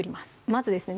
まずですね